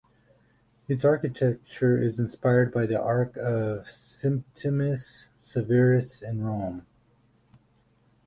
Its architecture is inspired by the Arch of Septimius Severus in Rome.